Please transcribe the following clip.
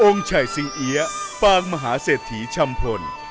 องค์ชัยชิงเฮียปางมหาเศรษฐีชำพล